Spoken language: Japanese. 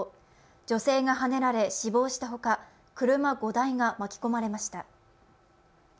女性がはねられ死亡したほか、車５台が巻き込まれました。